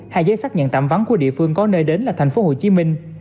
hai giấy xác nhận tạm vắng của địa phương có nơi đến là thành phố hồ chí minh